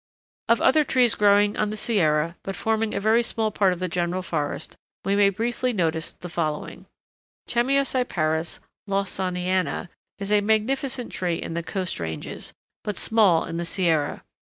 Of other trees growing on the Sierra, but forming a very small part of the general forest, we may briefly notice the following: Chamoecyparis Lawsoniana is a magnificent tree in the coast ranges, but small in the Sierra.